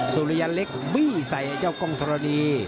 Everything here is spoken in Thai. สุริยะเล็กวี่ใส่เจ้ากองทรณี